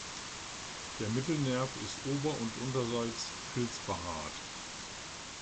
Der Mittelnerv ist ober- und unterseits filz behaart.